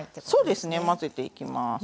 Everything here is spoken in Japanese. そうですね混ぜていきます。